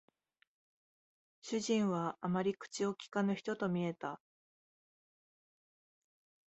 主人はあまり口を聞かぬ人と見えた